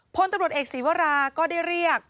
พลตำรวจเอกศีวราก็ได้เรียก